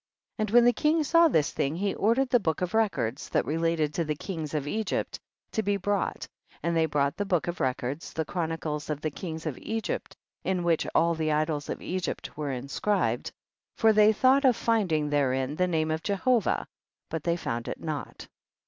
43. And when the king saw this thing, he ordered the book of records that related to the kings of Egypt, to be brought, and they brought the book of records, the chronicles of the kings of Egypt, in which all the idols of Egypt were inscribed, for they thought of finding therein the name of Jehovah, but they found it not.